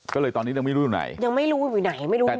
ก็เลยตอนนี้ยังไม่รู้อยู่ไหนยังไม่รู้อยู่ไหนไม่รู้ลุงแจ้ออกไปไหน